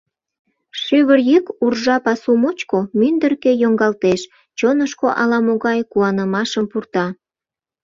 Шӱвыр йӱк уржа пасу мучко мӱндыркӧ йоҥгалтеш, чонышко ала-могай куанымашым пурта.